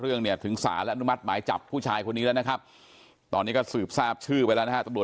เรื่องถึงศาและอนุมัติหมายจับผู้ชายคนนี้แล้วตอนนี้ก็สืบทราบชื่อไปแล้ว